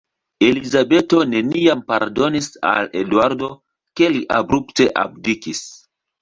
Elizabeto neniam pardonis al Eduardo, ke li abrupte abdikis.